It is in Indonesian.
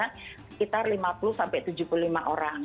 sekitar lima puluh sampai tujuh puluh lima orang